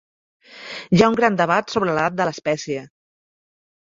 Hi ha un gran debat sobre l'edat de l'espècie.